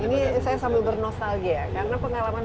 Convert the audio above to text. ini saya sambil bernostalgia karena pengalaman